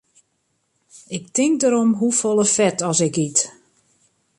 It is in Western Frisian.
Ik tink derom hoefolle fet as ik yt.